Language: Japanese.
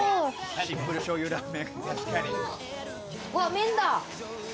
麺だ。